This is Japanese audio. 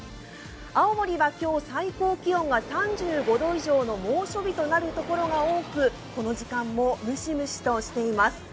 青森は今日、最高気温が３５度以上の猛暑日となるところが多くこの時間もムシムシとしています。